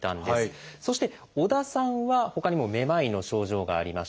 そして織田さんはほかにもめまいの症状がありました。